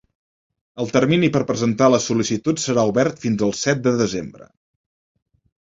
El termini per presentar les sol·licituds serà obert fins el set de desembre.